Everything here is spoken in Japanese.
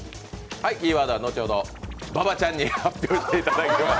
キーワードは後ほど馬場ちゃんに発表していただきます。